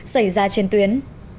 xảy ra trên tuyến